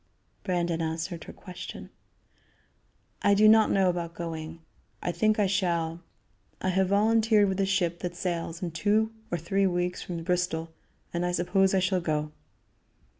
Brandon answered her question: "I do not know about going; I think I shall. I have volunteered with a ship that sails in two or three weeks from Bristol, and I suppose I shall go."